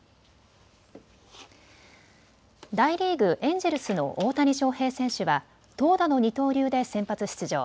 大リーグ、エンジェルスの大谷翔平選手は投打の二刀流で先発出場。